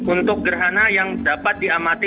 untuk gerhana yang dapat diamati